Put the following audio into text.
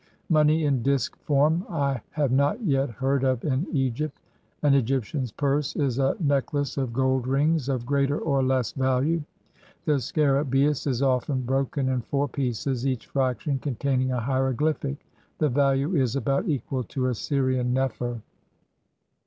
Money in disk form I have not yet heard of in Egypt. An Egyptian's purse is a necklace of gold rings of greater or less value. The scarabceus is often broken in four pieces, each fraction containing a hierogl>T:)hic. The value is about equal to a Syrian neffir.